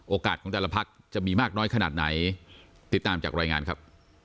ของแต่ละพักจะมีมากน้อยขนาดไหนติดตามจากรายงานครับ